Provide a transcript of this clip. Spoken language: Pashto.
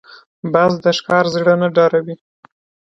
باز د ښکار زړه نه ډاروي